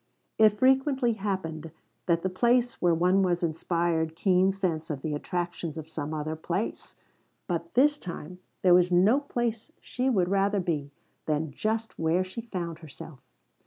It frequently happened that the place where one was inspired keen sense of the attractions of some other place. But this time there was no place she would rather be than just where she found herself.